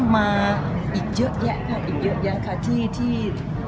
มาอีกเยอะแยะค่ะอีกเยอะแยะค่ะที่